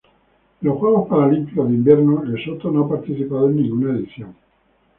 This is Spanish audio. En los Juegos Paralímpicos de Invierno Lesoto no ha participado en ninguna edición.